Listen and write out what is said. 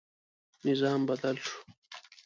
نظام بدل شو.